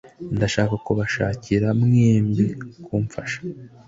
ndashaka kubashakira mwembi kumfasha